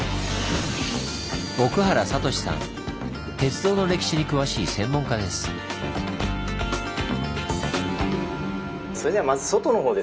鉄道の歴史に詳しい専門家です。